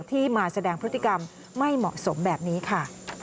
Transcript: ที่มาแสดงพฤติกรรมไม่เหมาะสมแบบนี้ค่ะ